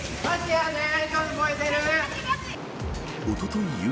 おととい